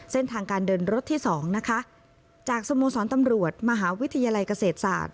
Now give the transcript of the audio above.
เส้นทางการเดินรถที่สองนะคะจากสโมสรตำรวจมหาวิทยาลัยเกษตรศาสตร์